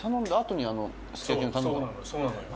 そうなのよ